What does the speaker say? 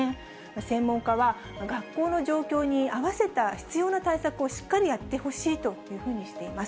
専門家は、学校の状況に合わせた必要な対策をしっかりやってほしいというふうにしています。